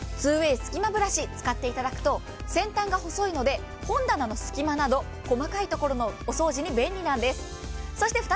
２ＷＡＹすき間ブラシ使っていただくと、先端が細いので本棚の隙間など細かいところのお掃除に便利なんです。